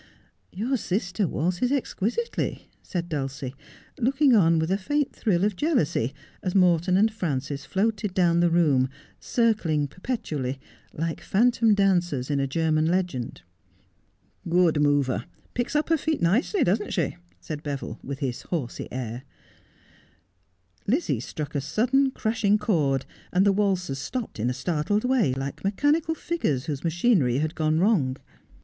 'Your sister waltzes exquisitely,' said Dulcie, looking on with a faint thrill of jealousy as Morton and Frances floated down the room, circling perpetually, like phantom dancers in a German legend. ' Good mover ! Picks up her feet nicely, doesn't she ?' said Beville, with his horsey air. Lizzie struck a sudden crashing chord, and the waltzers stopped in a startled way, like mechanical figures whose machinery had gone wrong.